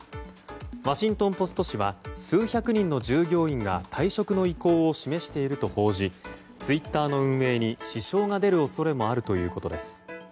ワシントン・ポスト紙は数百人の従業員が退職の意向を示していると報じツイッターの運営に支障が出る恐れもあるということです。